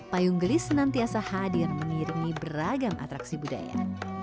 payung gelis senantiasa hadir mengiringi beragam atraksi budaya